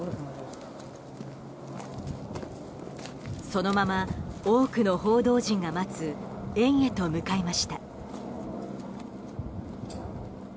そのまま多くの報道陣が待つ園へと向かいました。